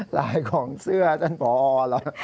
หลายของเสื้อปล่ออหละ